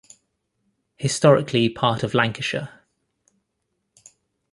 Historically part of Lancashire.